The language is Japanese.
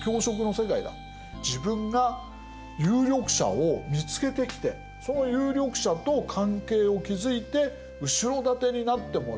自分が有力者を見つけてきてその有力者と関係を築いて後ろ盾になってもらう。